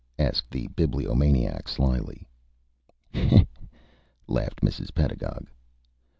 asked the Bibliomaniac, slyly. "Hee hee!" laughed Mrs. Pedagog.